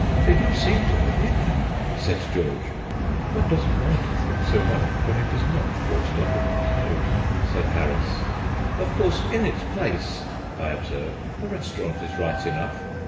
"They do seem to have hidden it," said George. "One doesn't mind the thing so much when it is not forced under one's nose," said Harris. "Of course, in its place," I observed, "a restaurant is right enough."